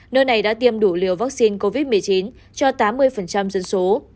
nơi này đã tiêm đủ liều vaccine covid một mươi chín cho tám mươi dân số